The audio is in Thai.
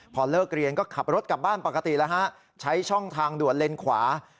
พอเลิกเรียนก็ขับรถกลับบ้านปกติแล้วฮะใช้ช่องทางด่วนเลนขวา